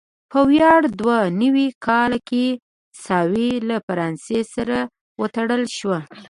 په ویا دوه نوي کال کې ساوې له فرانسې سره وتړل شوه.